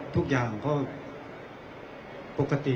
คุณอยู่ในโรงพยาบาลนะ